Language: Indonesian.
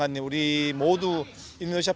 dan dari semua fans indonesia